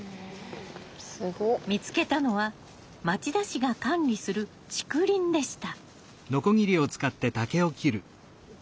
見つけたのは町田市が管理する竹林でした。